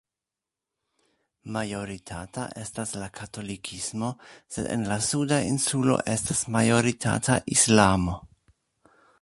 Majoritata estas la katolikismo, sed en la suda insulo estas majoritata Islamo.